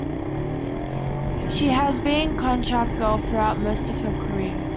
She has been a contract girl throughout most of her career.